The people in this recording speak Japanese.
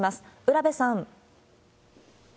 占部さん。